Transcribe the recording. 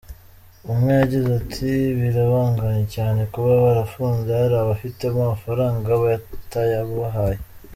Umwe yagize ati “Birabangamye cyane, kuba barafunze hari abafitemo amafaranga batayabahaye.